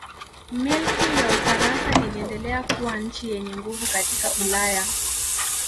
Milki ya Ufaransa iliendelea kuwa nchi yenye nguvu katika Ulaya.